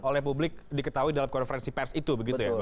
oleh publik diketahui dalam konferensi pers itu begitu ya